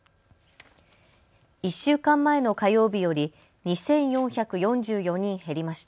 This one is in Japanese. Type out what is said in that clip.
１週間前の火曜日より２４４４人減りました。